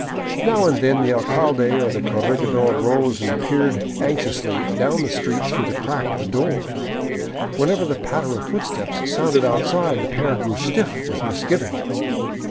Now and then the alcalde or the corregidor rose and peered anxiously down the street through the crack of the door. Whenever the patter of footsteps sounded out side, the pair grew stiff with misgiving.